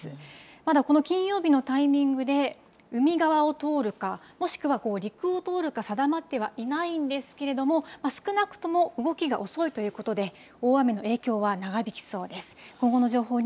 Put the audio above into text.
まだこの金曜のタイミングで、海側を通るか、もしくは陸を通るか定まってはいないんですけれども、少なくとも動きが遅いということで、大雨の影響は長引きそうです。